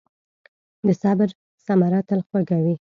د صبر ثمره تل خوږه وي.